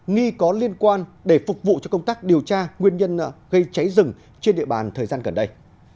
nghi có liên quan để phục vụ cho công tác điều tra nguyên nhân gây cháy rừng trên địa bàn thời gian gần đây